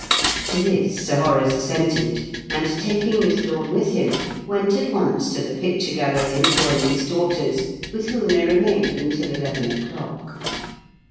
To this Sir Horace assented, and, taking Miss Lorne with him, went at once to the picture gallery and joined his daughters, with whom they remained until eleven o'clock.